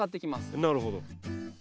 なるほど。